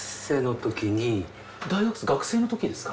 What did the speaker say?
学生のときですか？